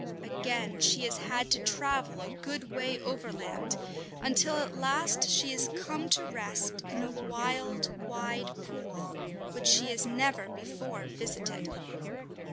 Again she has had to travel a good way overland, until at last she has come to rest in a wild, wide pool, which she has never before visited.